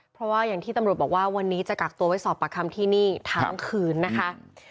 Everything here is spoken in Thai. เพราะว่าอย่างที่ตำรวจบอกว่าวันนี้จะกักตัวไว้สอบประคำที่นี่ทั้งคืนนะคะ